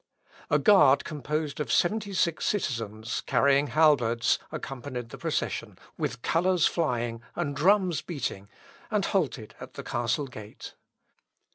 A guard composed of seventy six citizens, carrying halberds, accompanied the procession, with colours flying, and drums beating, and halted at the castle gate.